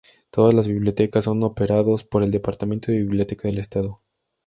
Todas las bibliotecas son operados por el Departamento de Biblioteca del Estado.